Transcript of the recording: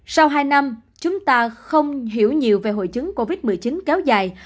sau hai năm chúng ta không hiểu nhiều về hội chứng covid một mươi chín kéo dài